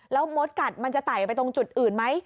แล้วมดกัดมันจะไต่ไปตรงจุดอื่นไหม